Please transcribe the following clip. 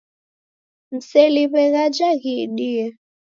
Mseliw'e ghaja ghiidie.